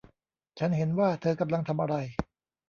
ฉันเห็นว่าเธอกำลังทำอะไร